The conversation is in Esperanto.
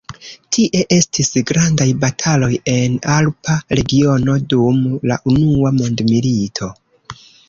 Tie estis grandaj bataloj en alpa regiono dum la unua mondmilito.